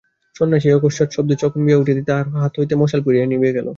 সন্ন্যাসী এই অকস্মাৎ শব্দে চমকিয়া উঠিতেই তাহার হাত হইতে মশাল পড়িয়া নিবিয়া গেল।